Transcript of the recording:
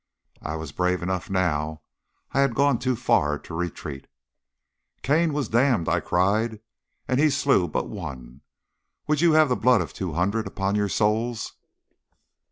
I was brave enough now. I had gone too far to retreat. "Cain was damned," I cried, "and he slew but one; would you have the blood of two hundred upon your souis?"